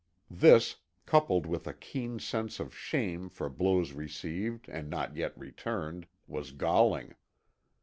This, coupled with a keen sense of shame for blows received and not yet returned, was galling.